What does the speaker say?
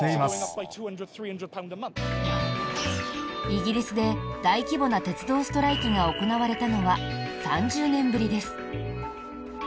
イギリスで大規模な鉄道ストライキが行われたのは３０年ぶりです。